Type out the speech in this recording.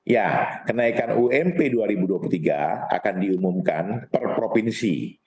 ya kenaikan ump dua ribu dua puluh tiga akan diumumkan per provinsi